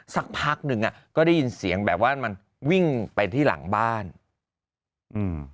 สักพักหนึ่งอ่ะก็ได้ยินเสียงแบบว่ามันวิ่งไปที่หลังบ้านอืม